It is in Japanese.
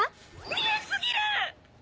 見え過ぎる！